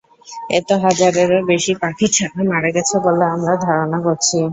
এতে হাজারেরও বেশি পাখির ছানা মারা গেছে বলে আমরা ধারণা করছি।